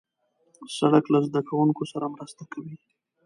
سړک له زدهکوونکو سره مرسته کوي.